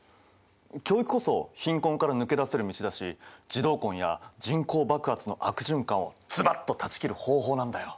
教育こそ貧困から抜け出せる道だし児童婚や人口爆発の悪循環をズバッと断ち切る方法なんだよ。